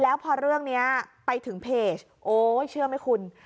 แล้วพอเรื่องนี้ไปถึงเพจโอ๊ยเชื่อไหมคุณ